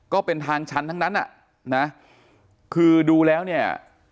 ก็เป็นทางชั้นทั้งนั้นอ่ะนะคือดูแล้วเนี่ย